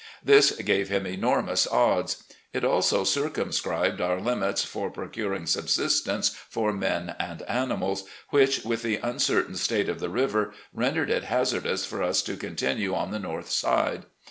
This gave him enormous odds. It also circumscribed our limits for procuring subsistence for men and animals, which, with the uncertain state of the river, rendered it hazardous for us to continue on the north side.